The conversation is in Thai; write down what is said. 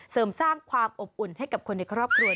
เสริมสร้างความอบอุ่นให้กับคนในครอบครัว